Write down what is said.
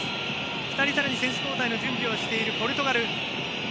２人、さらに選手交代の準備をしているポルトガル。